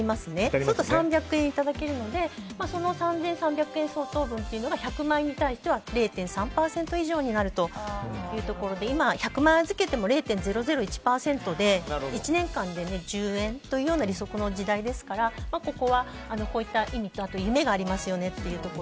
そうすると３００円いただけるのでその３３００円相当というのが１００万円に対して０．３％以上になるというところで今、１００万円を預けても０．００１％で１年間で１０円という利息の時代ですからあとは夢がありますよねという。